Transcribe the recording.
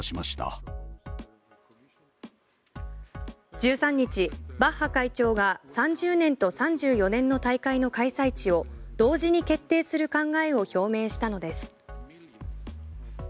１３日バッハ会長が３０年と３４年の大会の開催地を同時に決定する考えを表明したのです。